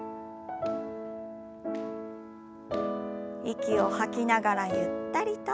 息を吐きながらゆったりと。